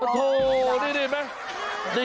โถนี่เห็นไหม